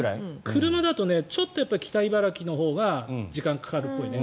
車だとちょっと北茨城のほうが時間がかかるっぽいね。